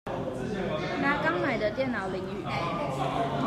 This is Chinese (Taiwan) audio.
拿剛買的電腦淋雨